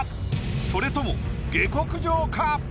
それとも下克上か？